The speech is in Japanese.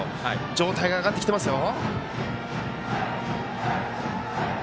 状態が上がってきていますよ。